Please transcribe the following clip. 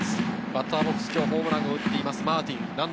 バッターボックスは今日、ホームランを打っているマーティン。